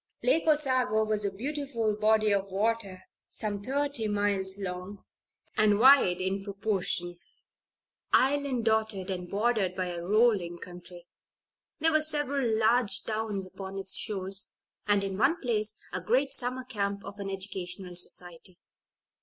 Lake Osago was a beautiful body of water, some thirty miles long, and wide in proportion; island dotted and bordered by a rolling country. There were several large towns upon its shores, and, in one place, a great summer camp of an educational society.